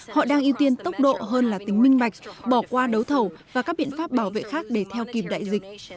họ đang ưu tiên tốc độ hơn là tính minh mạch bỏ qua đấu thầu và các biện pháp bảo vệ khác để theo kìm đại dịch